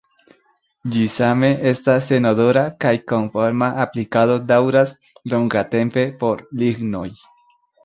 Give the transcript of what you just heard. Ĝi same estas senodora kaj konforma aplikado daŭras longatempe por lignoj.